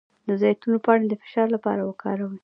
د زیتون پاڼې د فشار لپاره وکاروئ